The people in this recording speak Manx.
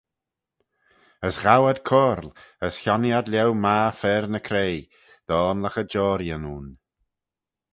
As ghow ad coyrle, as chionnee ad lhieu magher fer-ny-craie, dy oanluckey joarreeyn ayn.